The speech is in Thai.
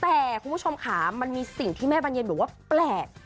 แต่คุณผู้ชมค่ะมันมีสิ่งที่แม่บรรเย็นบอกว่าแปลก